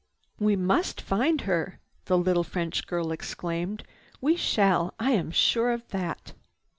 "We must find her!" the little French girl exclaimed. "We shall, I am sure of that."